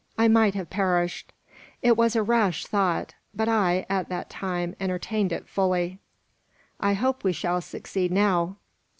I might have perished. It was a rash thought, but I, at that time, entertained it fully." "I hope we shall succeed now."